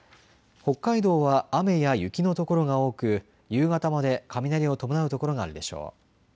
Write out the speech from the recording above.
北海道は雨や雪の所が多く夕方まで雷を伴う所があるでしょう。